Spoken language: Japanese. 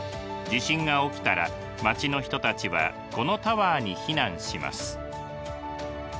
地震が起きたら町の人たちはこのタワーに避難します。